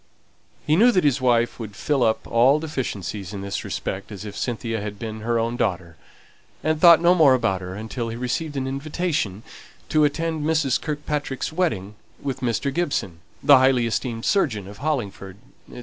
He knew that his wife would fill up all deficiencies in this respect as if Cynthia had been her own daughter; and thought no more about her until he received an invitation to attend Mrs. Kirkpatrick's wedding with Mr. Gibson, the highly esteemed surgeon of Hollingford, &c.